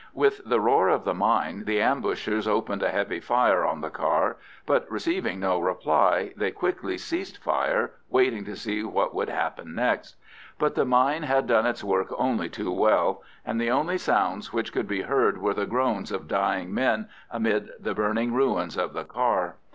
With the roar of the mine the ambushers opened a heavy fire on the car, but receiving no reply they quickly ceased fire, waiting to see what would happen next. But the mine had done its work only too well, and the only sounds which could be heard were the groans of dying men amid the burning ruins of the car.